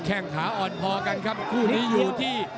แค่งขาอ่อนพอกันครับคู่นี้อยู่ที่